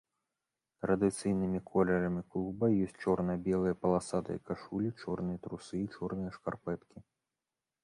Традыцыйнымі колерамі клуба ёсць чорна-белыя паласатыя кашулі, чорныя трусы і чорныя шкарпэткі.